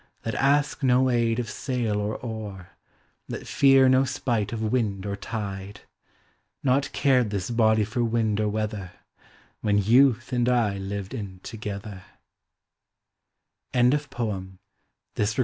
That ask no aid of sail or oar, That fear no spite of wind or tide! Nought eared this body for wind or weather When Youth and I lived in 't together.